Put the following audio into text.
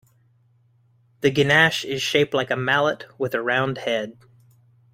The "gungchae" is shaped like a mallet with a round head.